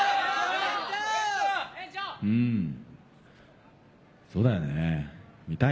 うんそうだよね。